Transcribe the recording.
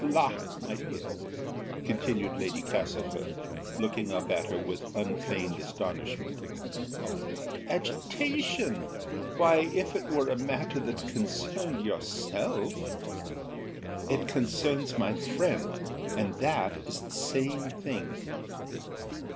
La! my dear," continued Lady Castlefort, looking up at her with unfeigned astonishment, "what agitation! why, if it were a matter that concerned yourself " "It concerns my friend, and that is the same thing."